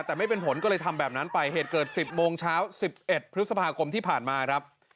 แต่ไม่เป็นผลก็เลยทำแบบนั้นไปเหตุเกิด๑๐โมงเช้า๑๑พฤษภาคมที่ผ่านมาครับ